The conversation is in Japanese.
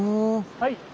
はい。